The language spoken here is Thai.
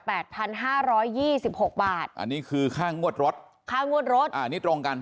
พันห้าร้อยยี่สิบหกบาทอันนี้คือค่างวดรถค่างวดรถอ่านี่ตรงกัน